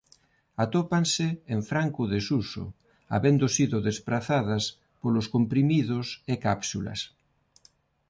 Atópanse en franco desuso habendo sido desprazadas polos comprimidos e cápsulas.